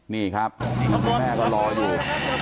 นี่ครับคุณแม่ก็รออยู่